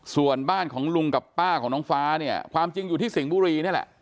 ส่วนบ้านของลุงกับป้าของน้องฟ้าเนี่ยความจริงอยู่ที่สิงห์บุรีนี่แหละ